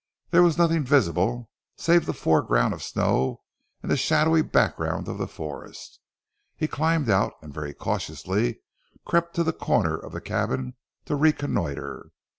There was nothing visible save the foreground of snow and the shadowy background of the forest. He climbed out, and very cautiously crept to the corner of the cabin to reconnoitre.